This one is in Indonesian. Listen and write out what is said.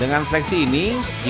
dengan fleksi ini